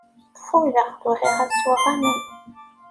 Fudeɣ, bɣiɣ ad sweɣ aman.